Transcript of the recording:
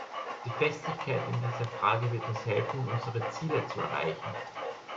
Die Festigkeit in dieser Frage wird uns helfen, unsere Ziele zu erreichen.